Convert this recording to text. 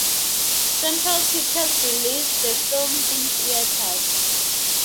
Central Pictures released the film in theaters.